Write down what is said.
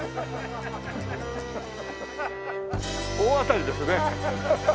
大当たりですね。